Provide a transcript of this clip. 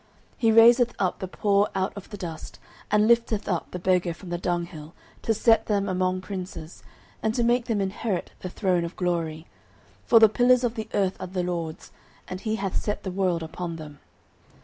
09:002:008 He raiseth up the poor out of the dust, and lifteth up the beggar from the dunghill, to set them among princes, and to make them inherit the throne of glory: for the pillars of the earth are the LORD's, and he hath set the world upon them.